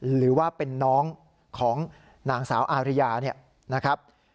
หรือว่าเป็นน้องของนางสาวอาริยาเนี่ยนะครับ